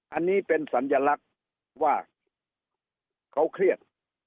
อันนี้เป็นสัญลักษณ์ว่าเขาเครียด